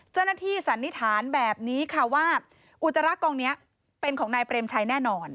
สันนิษฐานแบบนี้ค่ะว่าอุจจาระกองนี้เป็นของนายเปรมชัยแน่นอน